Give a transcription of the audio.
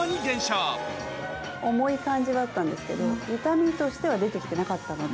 重い感じはあったんですけど、痛みとしては出てきてなかったので。